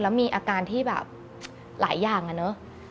แล้วมีอาการที่แบบหลายอย่างอะเนอะ